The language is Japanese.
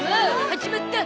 始まった！